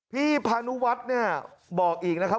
พี่พานุวัฒน์บอกอีกนะครับ